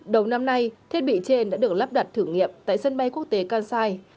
đầu năm nay thiết bị trên đã được lắp đặt thử nghiệm tại sân bay quốc tế kansai